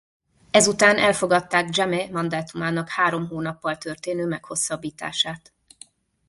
Ezután elfogadták Jammeh mandátumának három hónappal történő meghosszabbítását.